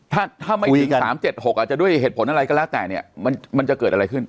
ถ้าไม่ถึง๓๗๖อาจจะด้วยเหตุผลอะไรก็แล้วแต่เนี่ยมันจะเกิดอะไรขึ้น